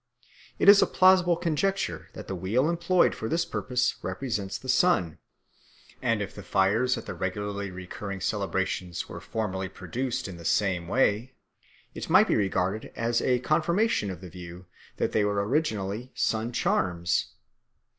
It is a plausible conjecture that the wheel employed for this purpose represents the sun, and if the fires at the regularly recurring celebrations were formerly produced in the same way, it might be regarded as a confirmation of the view that they were originally sun charms.